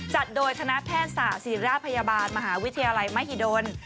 จัดโดยคณะแพทย์ศาสตร์ศิริราชพยาบาลมหาวิทยาลัยมหิดล